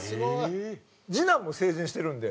次男も成人してるんで。